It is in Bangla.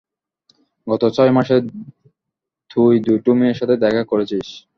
গত ছয় মাসে তুই দুটো মেয়ের সাথে দেখা করেছিস।